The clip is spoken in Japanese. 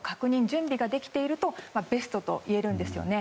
準備ができているとベストといえるんですね。